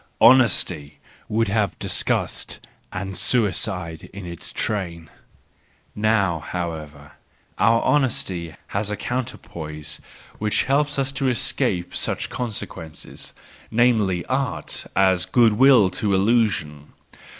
Honesty would have disgust and suicide in its train. Now, however, our honesty has a counterpoise which helps us to escape such consequences;—namely, Art, as the good will to illusion.